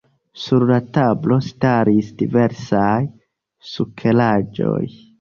Sur la tablo staris diversaj sukeraĵoj.